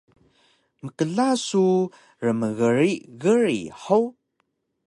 Mkla su rmgrig grig hug?